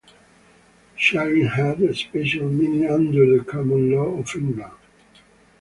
Charring had a special meaning under the common law of England.